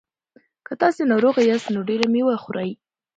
که تاسي ناروغه یاست نو ډېره مېوه خورئ.